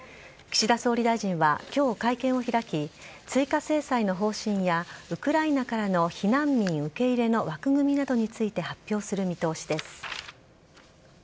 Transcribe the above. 岸田総理大臣はきょう会見を開き、追加制裁の方針や、ウクライナからの避難民受け入れの枠組みなどについて発表する見通しです。